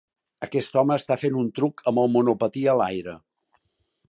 Aquest home està fent un truc amb el monopatí a l'aire.